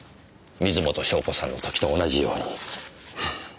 水元湘子さんの時と同じように。